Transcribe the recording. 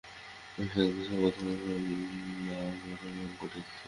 এর সাত বছর পর প্রথম হামলা করে সংগঠনটি।